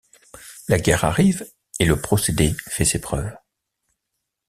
La guerre arrive et le procédé fait ses preuves.